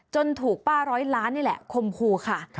จนถูกป้าร้อยล้านคมครูค่ะ